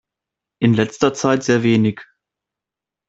In letzter Zeit sehr wenig.